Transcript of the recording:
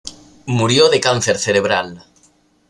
Murió de cáncer cerebral.